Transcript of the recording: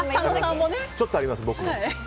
ちょっとあります、僕も。